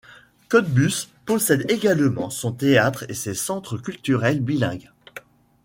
Cottbus possède également son théâtre et ses centres culturels bilingues.